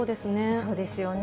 そうですよね。